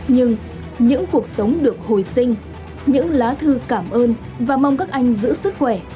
nhưng những cuộc sống được hồi sinh những lá thư cảm ơn và mong các anh giữ sức khỏe